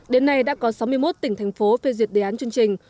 đến nay đã có sáu mươi một tỉnh thành phố phê duyệt đề án chương trình